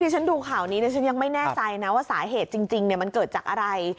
ฉันดูข่าวนี้ดิฉันยังไม่แน่ใจนะว่าสาเหตุจริงมันเกิดจากอะไร